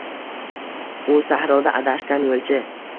U – sahroda adashgan yo’lchi